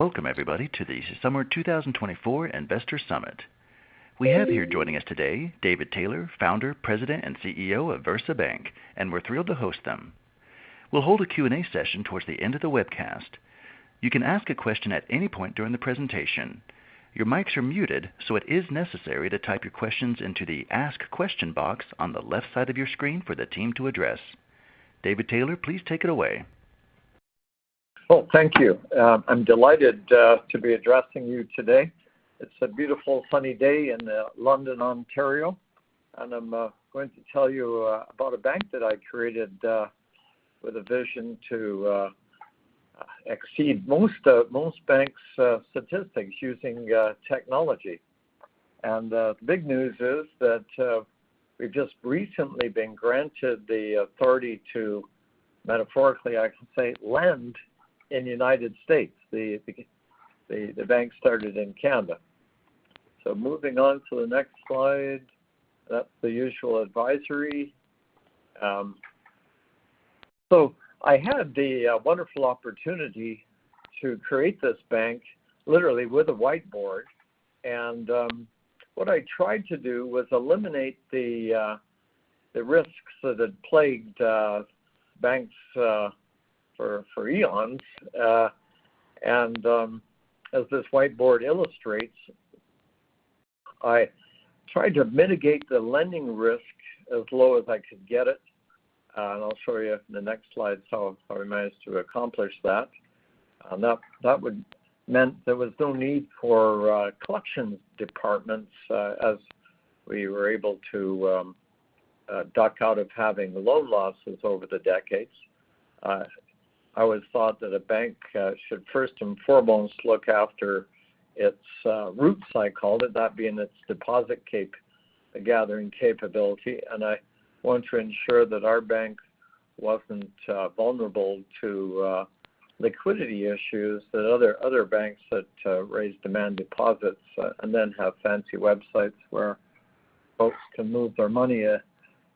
Welcome, everybody, to the Summer 2024 Investor Summit. We have here joining us today, David Taylor, Founder, President, and CEO of VersaBank, and we're thrilled to host them. We'll hold a Q&A session towards the end of the webcast. You can ask a question at any point during the presentation. Your mics are muted, so it is necessary to type your questions into the Ask Question box on the left side of your screen for the team to address. David Taylor, please take it away. Thank you. I'm delighted to be addressing you today. It's a beautiful, sunny day in London, Ontario, and I'm going to tell you about a bank that I created with a vision to exceed most banks statistics using technology. The big news is that we've just recently been granted the authority to, metaphorically, I can say, lend in the United States. The bank started in Canada. Moving on to the next slide. That's the usual advisory. I had the wonderful opportunity to create this bank literally with a whiteboard, and what I tried to do was eliminate the risks that had plagued banks for eons. As this whiteboard illustrates, I tried to mitigate the lending risk as low as I could get it. I'll show you in the next slide how I managed to accomplish that. That meant there was no need for collection departments, as we were able to duck out of having loan losses over the decades. I always thought that a bank should first and foremost look after its roots, I called it, that being its deposit-gathering capability. I wanted to ensure that our bank wasn't vulnerable to liquidity issues that other banks that raise demand deposits and then have fancy websites where folks can move their money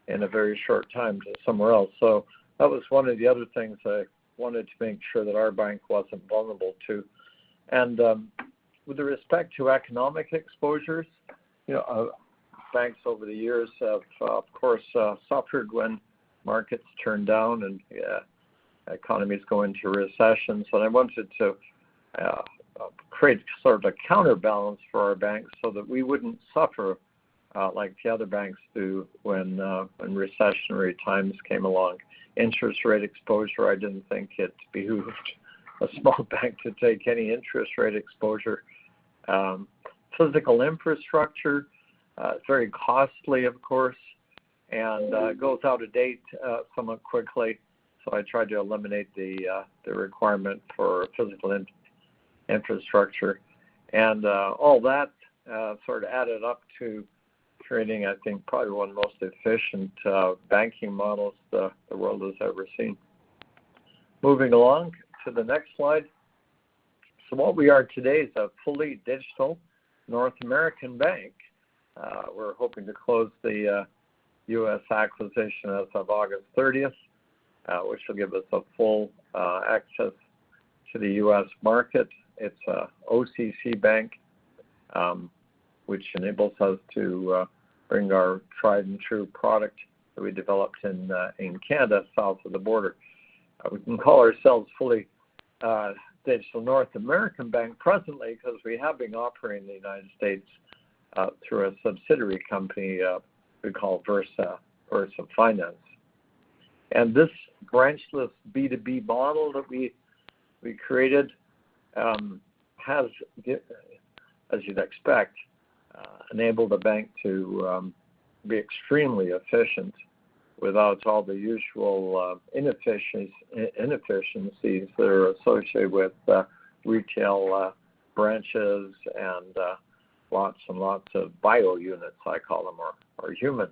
in a very short time to somewhere else. So that was one of the other things I wanted to make sure that our bank wasn't vulnerable to. And with respect to economic exposures, you know, banks over the years have, of course, suffered when markets turn down and economies go into recessions. So I wanted to create sort of a counterbalance for our bank so that we wouldn't suffer like the other banks do when recessionary times came along. Interest rate exposure, I didn't think it behooved a small bank to take any interest rate exposure. Physical infrastructure very costly, of course, and goes out of date somewhat quickly. So I tried to eliminate the requirement for physical infrastructure. All that sort of added up to creating, I think, probably one of the most efficient banking models the world has ever seen. Moving along to the next slide. What we are today is a fully digital North American bank. We're hoping to close the U.S. acquisition as of August thirtieth, which will give us a full access to the U.S. market. It's a OCC bank, which enables us to bring our tried-and-true product that we developed in Canada, south of the border. We can call ourselves fully digital North American bank presently, 'cause we have been operating in the United States through a subsidiary company we call VersaFinance. This branchless B2B model that we created has, as you'd expect, enabled the bank to be extremely efficient without all the usual inefficiencies that are associated with retail branches and lots and lots of bio units, I call them, or humans.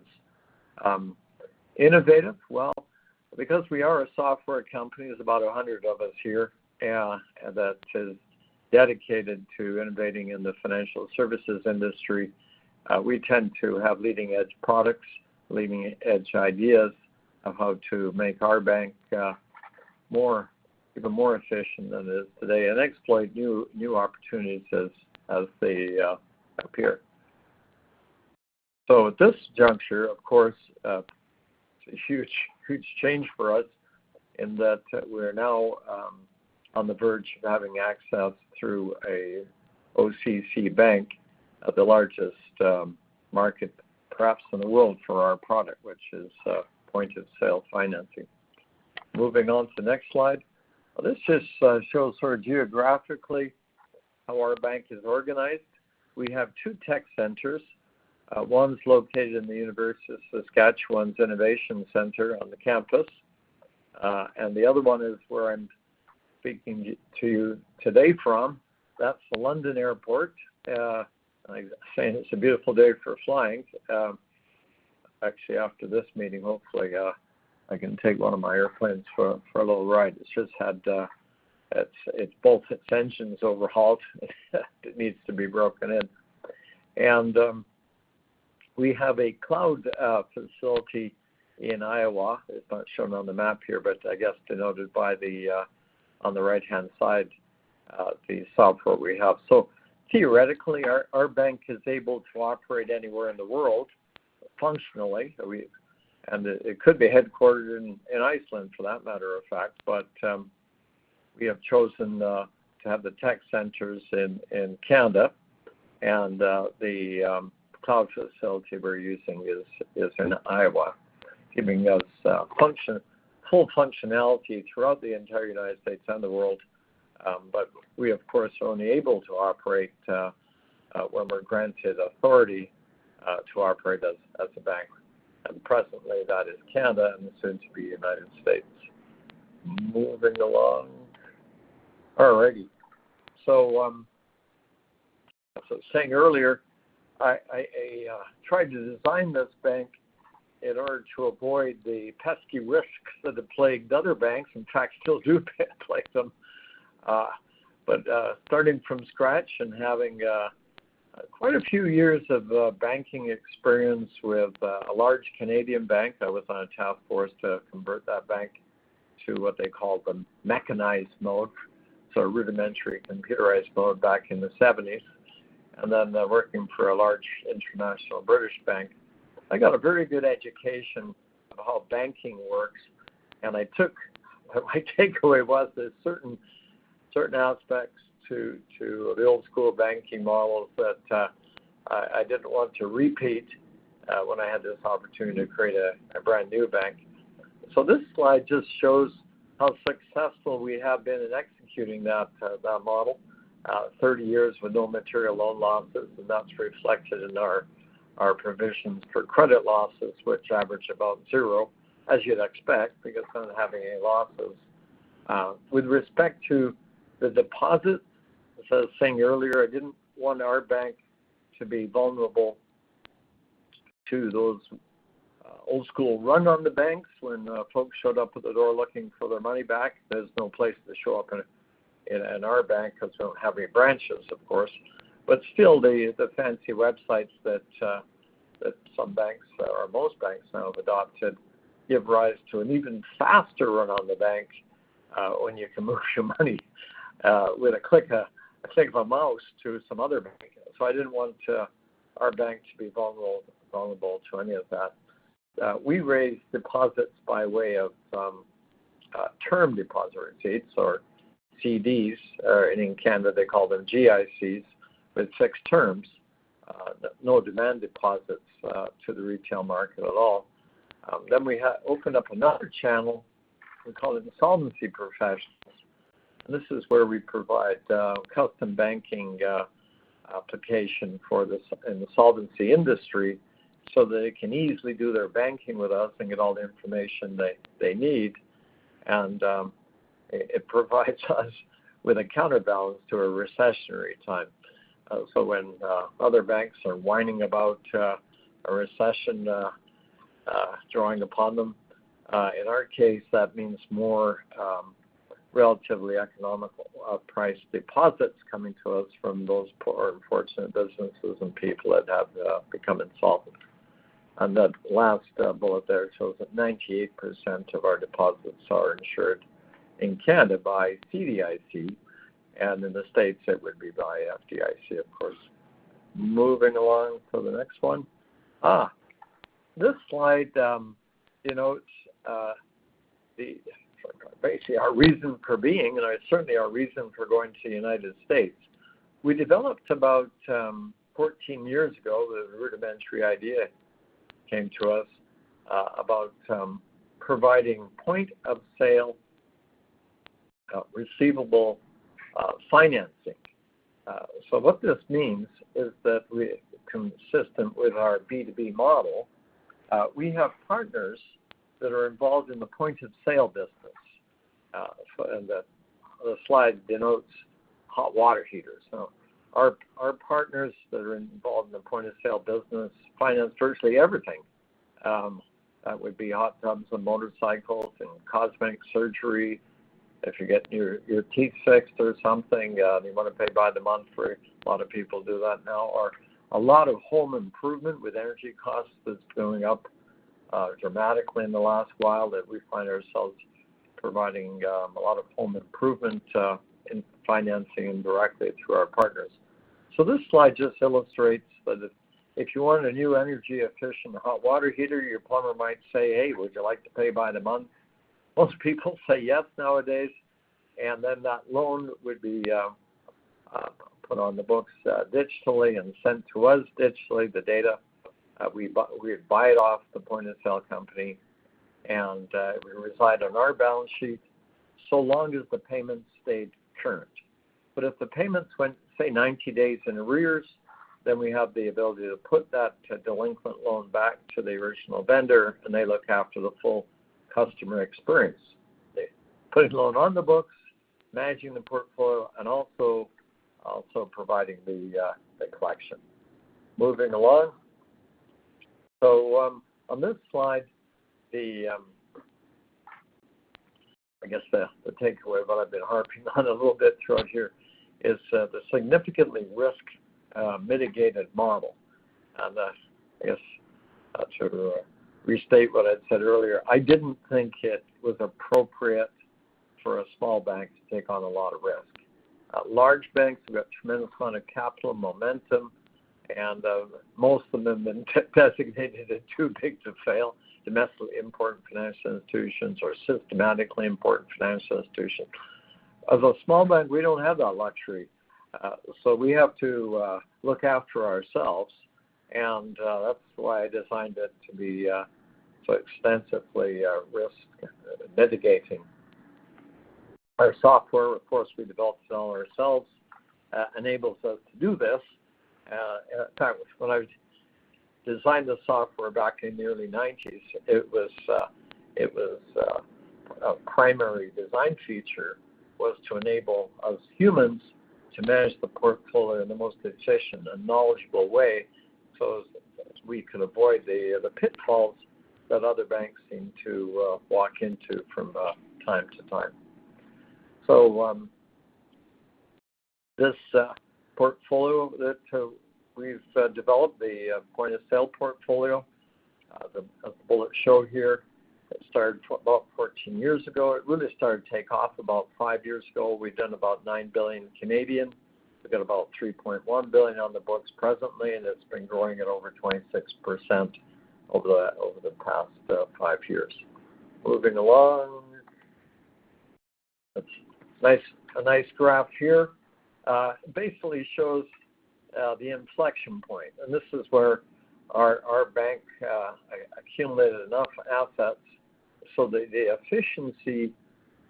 Innovative? Because we are a software company, there's about 100 of us here that is dedicated to innovating in the financial services industry, we tend to have leading-edge products, leading-edge ideas of how to make our bank more even more efficient than it is today and exploit new opportunities as they appear. At this juncture, of course, it's a huge, huge change for us in that we're now on the verge of having access through an OCC bank of the largest market, perhaps in the world for our product, which is point-of-sale financing. Moving on to the next slide. This just shows sort of geographically how our bank is organized. We have two tech centers. One's located in the University of Saskatchewan's innovation center on the campus, and the other one is where I'm speaking to you today from. That's the London Airport. I'm saying it's a beautiful day for flying. Actually, after this meeting, hopefully, I can take one of my airplanes for a little ride. It's just had both its engines overhauled. It needs to be broken in. We have a cloud facility in Iowa. It's not shown on the map here, but I guess denoted by the on the right-hand side the software we have. So theoretically, our bank is able to operate anywhere in the world, functionally. And it could be headquartered in Iceland, for that matter of fact, but we have chosen to have the tech centers in Canada, and the cloud facility we're using is in Iowa, giving us full functionality throughout the entire United States and the world. But we, of course, are only able to operate when we're granted authority to operate as a bank. And presently, that is Canada and soon to be United States. Moving along. All righty. So, as I was saying earlier, I tried to design this bank in order to avoid the pesky risks that have plagued other banks, in fact, still do plague them. But starting from scratch and having quite a few years of banking experience with a large Canadian bank, I was on a task force to convert that bank to what they call the mechanized mode, so a rudimentary computerized mode back in the 1970s, and then working for a large international British bank. I got a very good education of how banking works, and my takeaway was that certain aspects to the old school banking models that I didn't want to repeat when I had this opportunity to create a brand-new bank. So this slide just shows how successful we have been in executing that model. Thirty years with no material loan losses, and that's reflected in our provisions for credit losses, which average about zero, as you'd expect, because we don't have any losses. With respect to the deposits, as I was saying earlier, I didn't want our bank to be vulnerable to those old school run on the banks when folks showed up at the door looking for their money back. There's no place to show up in our bank because we don't have any branches, of course. But still the fancy websites that some banks or most banks now have adopted give rise to an even faster run on the bank when you can move your money with a click of a mouse to some other bank. So I didn't want our bank to be vulnerable to any of that. We raise deposits by way of term deposit rates or CDs, or in Canada, they call them GICs, with fixed terms, no demand deposits to the retail market at all. Then we have opened up another channel. We call it Insolvency Professionals. This is where we provide custom banking application for this in the insolvency industry, so they can easily do their banking with us and get all the information they need. It provides us with a counterbalance to a recessionary time. So when other banks are whining about a recession drawing upon them, in our case, that means more relatively economical price deposits coming to us from those poor unfortunate businesses and people that have become insolvent. That last bullet there shows that 98% of our deposits are insured in Canada by CDIC, and in the States, it would be by FDIC, of course. Moving along to the next one. This slide denotes basically our reason for being, and certainly our reason for going to the United States. We developed about fourteen years ago. The rudimentary idea came to us about providing point-of-sale receivable financing. So what this means is that we, consistent with our B2B model, we have partners that are involved in the point-of-sale business. So and the slide denotes hot water heaters. So our partners that are involved in the point-of-sale business finance virtually everything. That would be hot tubs and motorcycles and cosmetic surgery. If you get your teeth fixed or something, and you wanna pay by the month for it, a lot of people do that now, or a lot of home improvement with energy costs that's going up dramatically in the last while, that we find ourselves providing a lot of home improvement in financing directly through our partners. This slide just illustrates that if you want a new energy-efficient hot water heater, your plumber might say, "Hey, would you like to pay by the month?" Most people say yes nowadays, and then that loan would be put on the books digitally and sent to us digitally, the data. We buy it off the point-of-sale company, and it would reside on our balance sheet so long as the payments stayed current. But if the payments went, say, ninety days in arrears, then we have the ability to put that delinquent loan back to the original vendor, and they look after the full customer experience. They put a loan on the books, managing the portfolio, and also providing the collection. Moving along. On this slide, the... I guess the takeaway that I've been harping on a little bit throughout here is the significantly risk mitigated model. And I guess I should restate what I'd said earlier. I didn't think it was appropriate for a small bank to take on a lot of risk. Large banks have got tremendous amount of capital and momentum, and most of them have been designated as too big to fail, domestically important financial institutions or systemically important financial institutions. As a small bank, we don't have that luxury. So we have to look after ourselves, and that's why I designed it to be so extensively risk mitigating. Our software, of course, we developed it all ourselves, enables us to do this. In fact, when I designed the software back in the early nineties, it was a primary design feature to enable us humans to manage the portfolio in the most efficient and knowledgeable way so as we can avoid the pitfalls that other banks seem to walk into from time to time. So, this portfolio that we've developed, the point-of-sale portfolio, the bullet show here, it started about fourteen years ago. It really started to take off about five years ago. We've done about 9 billion Canadian dollars. We've got about 3.1 billion on the books presently, and it's been growing at over 26% over the past five years. Moving along. A nice graph here basically shows the inflection point, and this is where our bank accumulated enough assets so the efficiency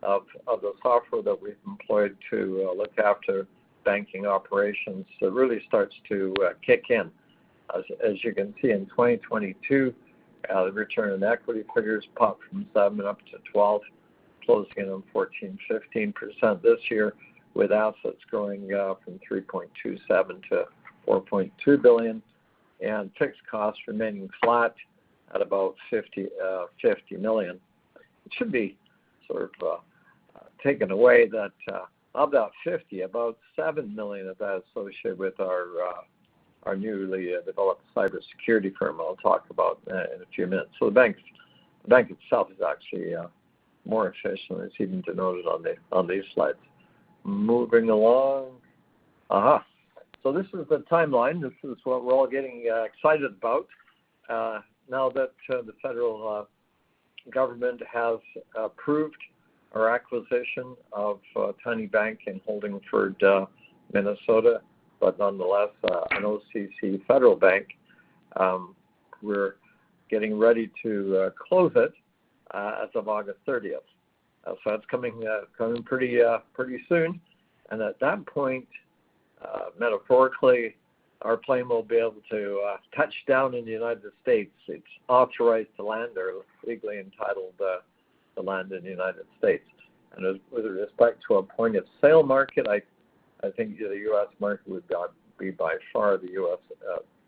of the software that we've employed to look after banking operations really starts to kick in. As you can see, in 2022, the return on equity figures popped from seven up to 12, closing in on 14, 15% this year, with assets growing from 3.27 billion to 4.2 billion, and fixed costs remaining flat at about 50 million. It should be sort of taken away that of that 50, about seven million of that associated with our newly developed cybersecurity firm. I'll talk about that in a few minutes. So the bank, the bank itself is actually more efficient than it's even denoted on these slides. Moving along. Uh-huh. So this is the timeline. This is what we're all getting excited about. Now that the federal government has approved our acquisition of tiny bank in Holdingford, Minnesota, but nonetheless an OCC federal bank, we're getting ready to close it as of August thirtieth. So that's coming pretty soon. And at that point, metaphorically, our plane will be able to touch down in the United States. It's authorized to land or legally entitled to land in the United States. And as with respect to a point-of-sale market, I think the US market would be by far the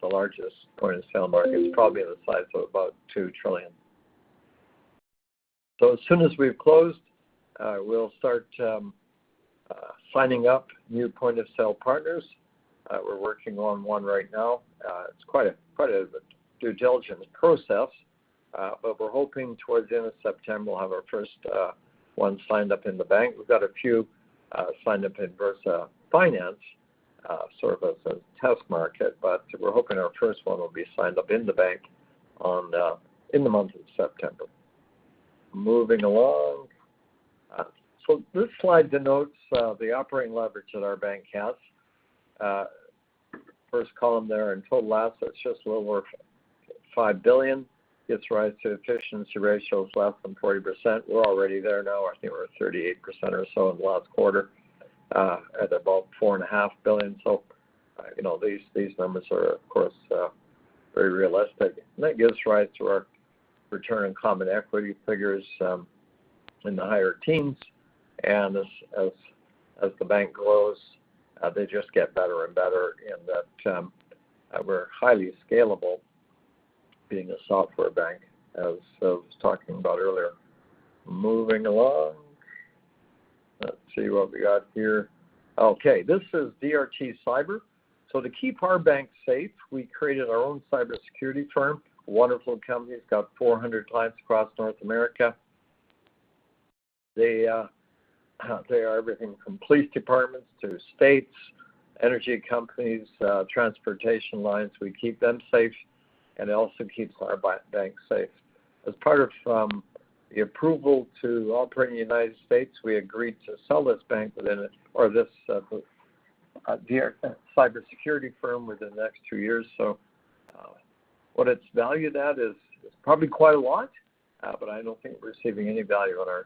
largest point-of-sale market. It's probably the size of about $2 trillion. So as soon as we've closed, we'll start signing up new point-of-sale partners. We're working on one right now. It's quite a due diligence process, but we're hoping towards the end of September, we'll have our first one signed up in the bank. We've got a few signed up in VersaFinance, sort of as a test market, but we're hoping our first one will be signed up in the bank in the month of September. Moving along. So this slide denotes the operating leverage that our bank has. First column there in total assets, just little over 5 billion. Gives rise to efficiency ratios less than 40%. We're already there now. I think we're at 38% or so in the last quarter, at about 4.5 billion. You know, these numbers are, of course, very realistic. That gives rise to our return on common equity figures in the higher teens. As the bank grows, they just get better and better in that. We're highly scalable being a software bank, as I was talking about earlier. Moving along. Let's see what we got here. Okay, this is DRT Cyber. To keep our bank safe, we created our own cybersecurity firm. Wonderful company. It's got 400 clients across North America. They are everything from police departments to states, energy companies, transportation lines. We keep them safe, and it also keeps our bank safe. As part of the approval to operate in the United States, we agreed to sell this bank within it, or this DRT Cyber firm within the next two years. So, what it's valued at is probably quite a lot, but I don't think we're receiving any value on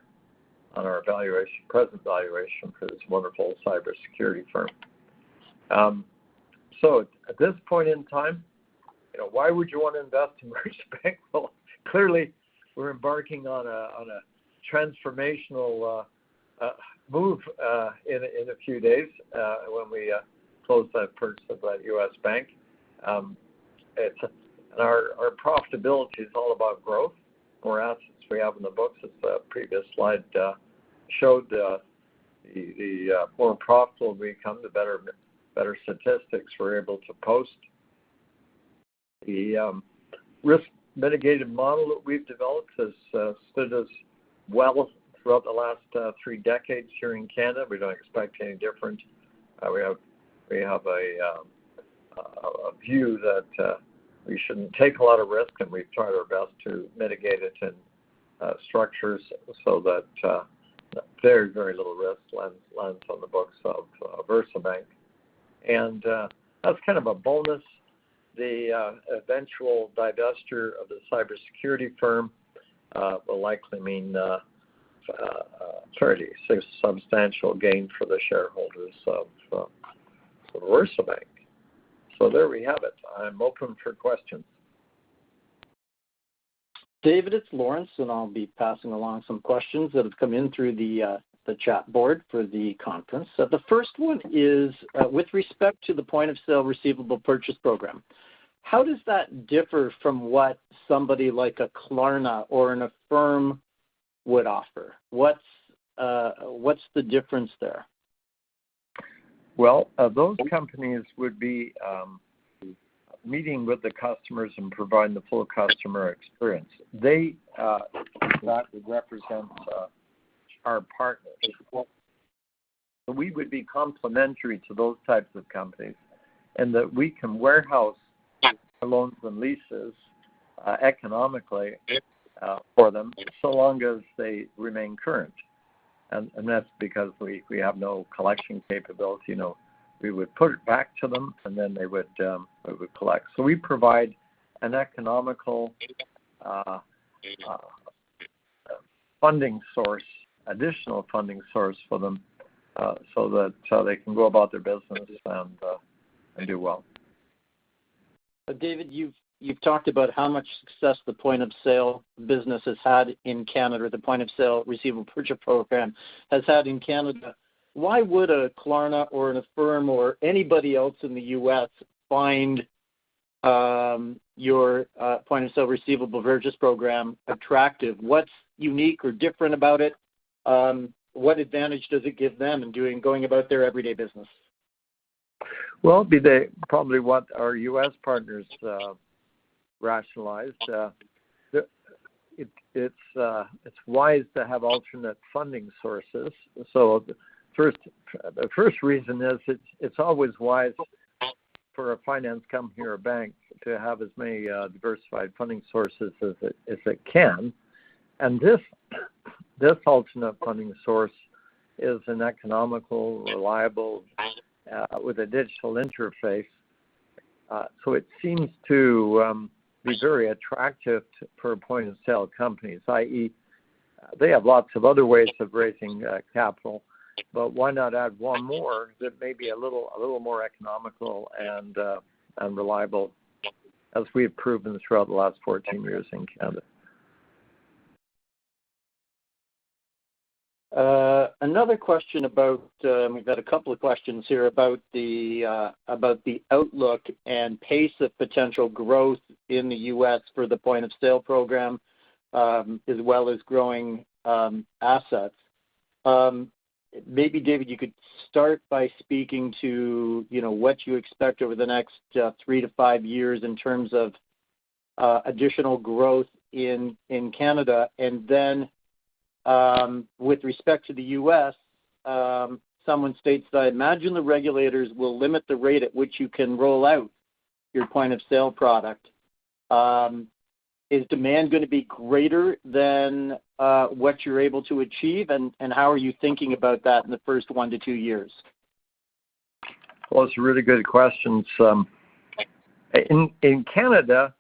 our valuation, present valuation for this wonderful cybersecurity firm. So at this point in time, you know, why would you want to invest in VersaBank? Well, clearly, we're embarking on a transformational move in a few days when we close that purchase of that US bank. It's, and our profitability is all about growth. More assets we have in the books, as the previous slide showed, the more profitable we become, the better statistics we're able to post. The risk mitigative model that we've developed has stood us well throughout the last three decades here in Canada. We don't expect any different. We have a view that we shouldn't take a lot of risk, and we've tried our best to mitigate it in structures so that very little risk lands on the books of VersaBank. And as kind of a bonus, the eventual divestiture of the cybersecurity firm will likely mean a substantial gain for the shareholders of VersaBank. So there we have it. I'm open for questions. David, it's Lawrence, and I'll be passing along some questions that have come in through the chat board for the conference. So the first one is with respect to the Point-of-Sale Receivable Purchase Program, how does that differ from what somebody like a Klarna or an Affirm would offer? What's the difference there? Those companies would be meeting with the customers and providing the full customer experience. They, that would represent our partners. We would be complementary to those types of companies, and that we can warehouse the loans and leases economically for them, so long as they remain current, and that's because we have no collection capability. You know, we would push it back to them, and then they would collect, so we provide an economical funding source, additional funding source for them so that they can go about their business and they do well. David, you've talked about how much success the point-of-sale business has had in Canada, or the Point-of-Sale Receivable Purchase Program has had in Canada. Why would a Klarna or an Affirm or anybody else in the U.S. find your Point-of-Sale Receivable Purchase Program attractive? What's unique or different about it? What advantage does it give them in going about their everyday business? That's probably what our US partners rationalize. It's wise to have alternate funding sources. The first reason is it's always wise for a finance company or a bank to have as many diversified funding sources as it can. This alternate funding source is an economical, reliable with a digital interface. It seems to be very attractive to point-of-sale companies, i.e., they have lots of other ways of raising capital, but why not add one more that may be a little more economical and reliable, as we have proven throughout the last fourteen years in Canada. Another question about... We've got a couple of questions here about the outlook and pace of potential growth in the U.S. for the point-of-sale program, as well as growing assets. Maybe, David, you could start by speaking to, you know, what you expect over the next three to five years in terms of additional growth in Canada. And then, with respect to the U.S., someone states that, "I imagine the regulators will limit the rate at which you can roll out your point-of-sale product. Is demand gonna be greater than what you're able to achieve, and how are you thinking about that in the first one to two years? It's a really good question. In Canada,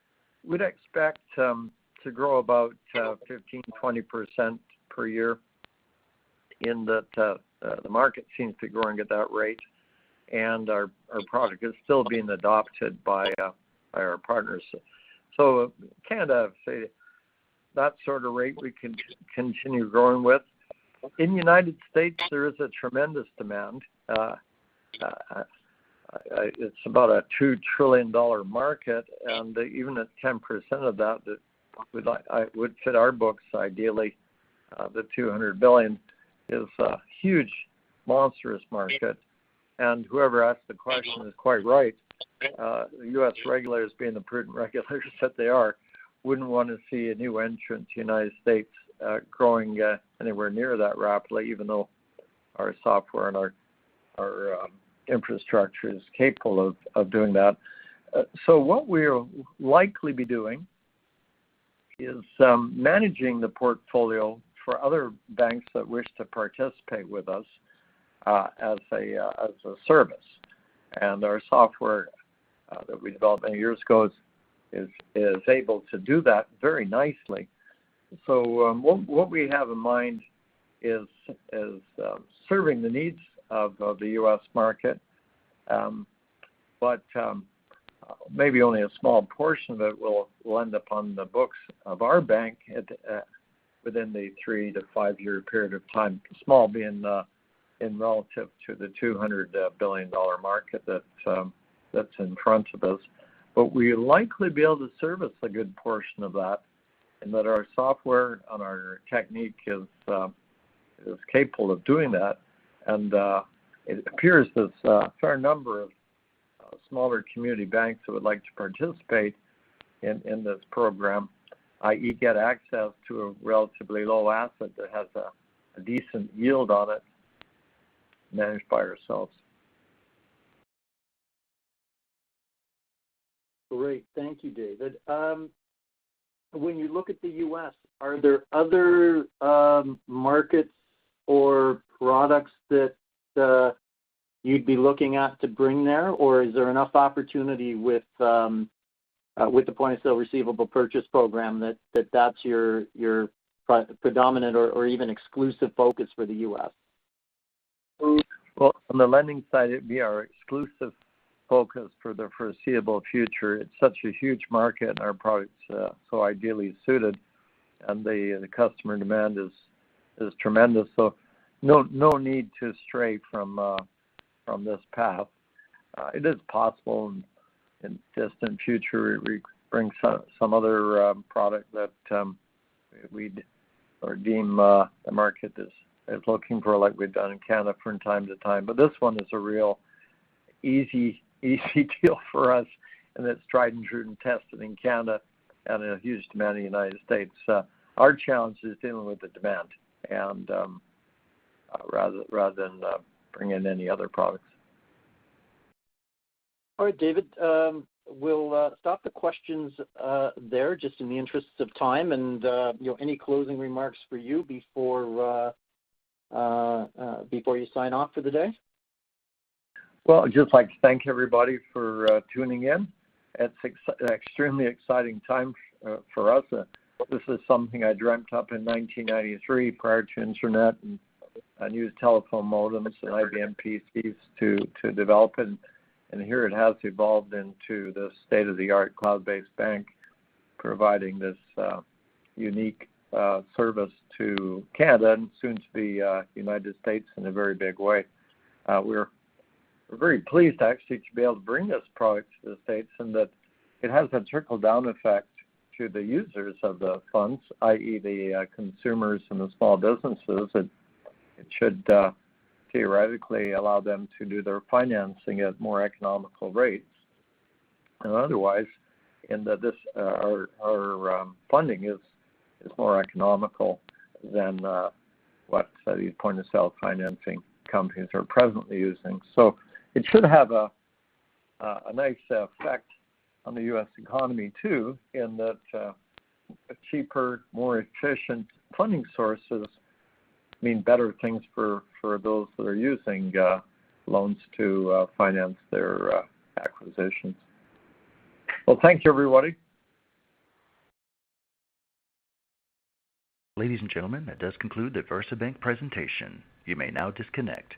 we'd expect to grow about 15%-20% per year in that the market seems to be growing at that rate, and our product is still being adopted by our partners. So Canada, I'd say that sort of rate we can continue growing with. In the United States, there is a tremendous demand. It's about a $2 trillion market, and even at 10% of that, it would fit our books ideally. The $200 billion is a huge, monstrous market. And whoever asked the question is quite right. The U.S. regulators, being the prudent regulators that they are, wouldn't want to see a new entrant to United States growing anywhere near that rapidly, even though our software and our infrastructure is capable of doing that, so what we'll likely be doing is managing the portfolio for other banks that wish to participate with us as a service, and our software that we developed many years ago is able to do that very nicely, so what we have in mind is serving the needs of the U.S. market, but maybe only a small portion of it will end up on the books of our bank. It... within the three-to-five-year period of time, small, being in relative to the $200 billion market that's in front of us. But we'll likely be able to service a good portion of that, and that our software and our technique is capable of doing that. And it appears there's a fair number of smaller community banks who would like to participate in this program, i.e., get access to a relatively low asset that has a decent yield on it, managed by ourselves. Great. Thank you, David. When you look at the US, are there other markets or products that you'd be looking at to bring there? Or is there enough opportunity with the Point-of-Sale Receivable Purchase Program that that's your predominant or even exclusive focus for the US? From the lending side, it'd be our exclusive focus for the foreseeable future. It's such a huge market, and our products are so ideally suited, and the customer demand is tremendous. So no need to stray from this path. It is possible in distant future we bring some other product that we deem the market is looking for, like we've done in Canada from time to time. But this one is a real easy deal for us, and it's tried and true and tested in Canada and a huge demand in the United States. Our challenge is dealing with the demand and rather than bringing in any other products. All right, David, we'll stop the questions there, just in the interests of time. And, you know, any closing remarks for you before you sign off for the day? I'd just like to thank everybody for tuning in. It's an extremely exciting time for us. This is something I dreamt up in nineteen ninety-three, prior to internet, and I used telephone modems and IBM PCs to develop. Here it has evolved into this state-of-the-art cloud-based bank, providing this unique service to Canada, and soon to be United States in a very big way. We're very pleased, actually, to be able to bring this product to the States, and that it has that trickle-down effect to the users of the funds, i.e., the consumers and the small businesses. It should theoretically allow them to do their financing at more economical rates than otherwise, and that this our funding is more economical than what so these point-of-sale financing companies are presently using, so it should have a nice effect on the U.S. economy, too, in that a cheaper, more efficient funding sources mean better things for those that are using loans to finance their acquisitions. Thank you, everybody. Ladies and gentlemen, that does conclude the VersaBank presentation. You may now disconnect.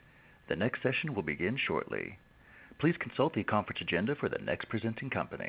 The next session will begin shortly. Please consult the conference agenda for the next presenting company.